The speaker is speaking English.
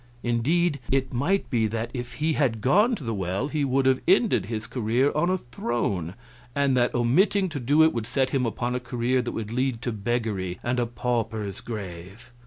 Indeed, it might be that if he had gone to the well he would have ended his career on a throne, and that omitting to do it would set him upon a career that would lead to beggary and a pauper's grave.